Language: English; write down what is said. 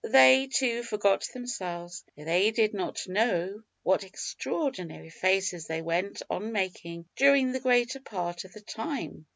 They, too, forgot themselves; they did not know what extraordinary faces they went on making during the greater part of the time!